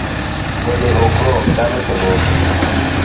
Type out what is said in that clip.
Gode ok rom dhano to romo